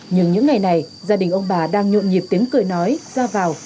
nhưng những ngày này gia đình ông bà đang nhộn nhịp tiếng cười nói ra vào